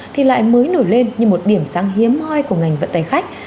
thì lại mới nổi lên như một điểm sáng hiếm hoi của ngành vận tài khách